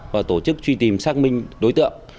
và tổ chức truy tìm xác minh đối tượng